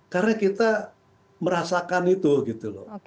karena kita merasakan itu gitu loh